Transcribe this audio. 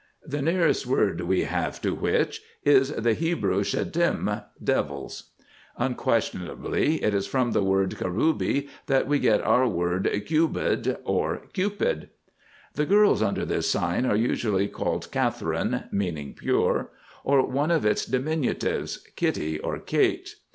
The nearest word we have to which is the Hebrew shedim (devils). Unquestionably it is from the word Karubi that we get our word Kubid or Cupid. The girls under this sign are usually named Katherine (meaning Pure) or one of its diminutives—Kitty or Kate.